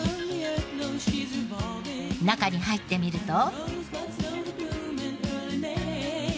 中に入ってみると。